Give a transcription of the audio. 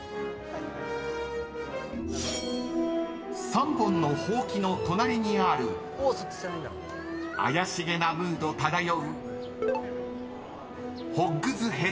［三本の箒の隣にある怪しげなムード漂う］